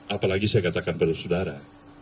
apalagi saya katakan pada saudara